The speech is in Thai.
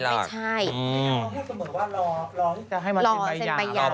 หรือว่าเราต้องแค่สมมุติว่ารอรอเซ็นต์ปัยยา